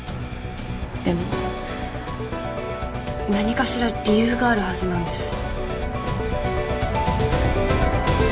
でも何かしら理由があるはずなんです。